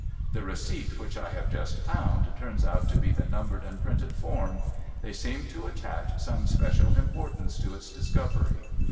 The receipt which I have just found, turns out to be the numbered and printed form. They seem to attach some special importance to its discovery.